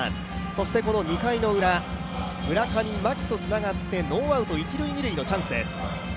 そして、この２回ウラ、村上、牧とつながってノーアウト、一塁・二塁のチャンスです。